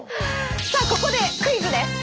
さあここでクイズです！